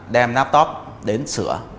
đem nắp tốp đến sửa